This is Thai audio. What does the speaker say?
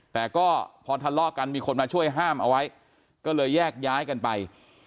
แต่ก็พอทะเลาะกันมีคนมาช่วยห้ามเอาไว้ก็เลยแยกย้ายกันไป